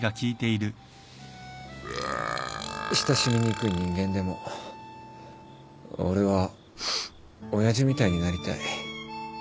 親しみにくい人間でも俺は親父みたいになりたい。